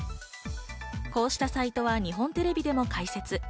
こうしたサイトは日本テレビでも開設。